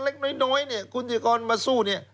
เล็กน้อยเนี่ยคุณธิกรมาสู้เนี่ย